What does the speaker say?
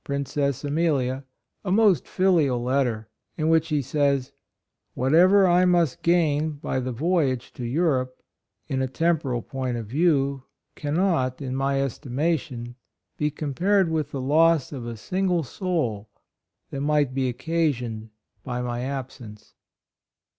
65 cess Amelia, a most filial letter, in which he says, " Whatever I might gain by the voyage to Europe, in a temporal point of view, cannot, in my estimation, be compared with the loss of a single soul that might be occasioned by my absence."